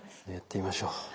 やってみましょう。